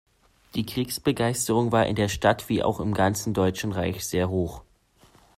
Die Kriegsbegeisterung war in der Stadt wie auch im ganzen Deutschen Reich sehr hoch.